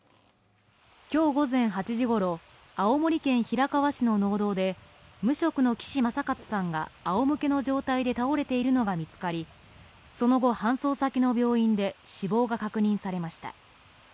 今日午前８時ごろ、青森県平川市の農道で無職の岸柾勝さんがあおむけの状態で倒れているのが見つかりその後搬送先の病院で死亡が確認されました。